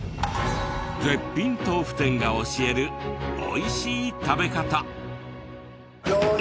絶品豆腐店が教える美味しい食べ方。